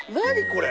これ。